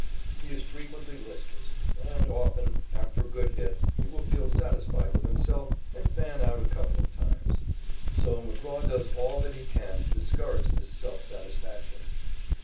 He is frequently listless, and, often, after a good hit, he will feel satisfied with himself and fan out a couple of times. So McGraw does all that he can to discourage this self satisfaction.